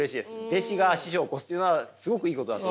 弟子が師匠を超すというのはすごくいいことだと思うんですよ。